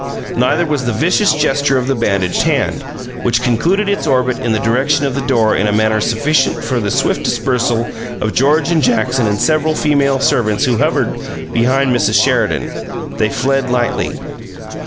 Neither was the vicious gesture of the bandaged hand, which concluded its orbit in the direction of the door in a manner sufficient for the swift dispersal of George and Jackson and several female servants who hovered behind Mrs. Sheridan. They fled lightly.